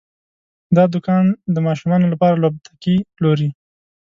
دا دوکان د ماشومانو لپاره لوبتکي پلوري.